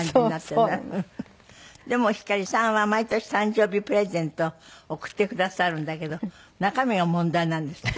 でも光さんは毎年誕生日プレゼントを贈ってくださるんだけど中身が問題なんですって？